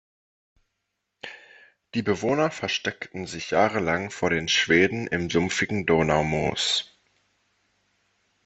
Die Bewohner versteckten sich jahrelang vor den Schweden im sumpfigen Donaumoos.